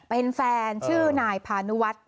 เป็นแฟนชื่อนายพานุวัฒน์